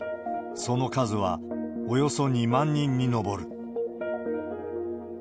その数はおよそ２万人に上る。